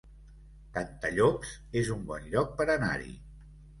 Cantallops es un bon lloc per anar-hi